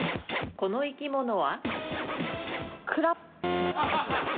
この生き物は？